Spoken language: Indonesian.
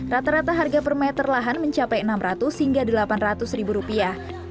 rata rata harga per meter lahan mencapai enam ratus hingga delapan ratus ribu rupiah